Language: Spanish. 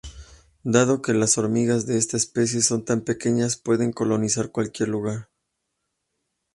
Dado que las hormigas de esta especie son tan pequeñas, pueden colonizar cualquier lugar.